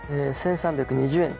１３２０円